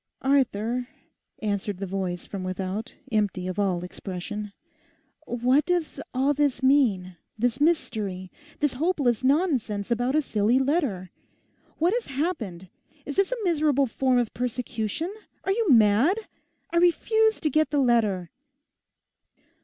'Arthur,' answered the voice from without, empty of all expression, 'what does all this mean, this mystery, this hopeless nonsense about a silly letter? What has happened? Is this a miserable form of persecution? Are you mad?—I refuse to get the letter.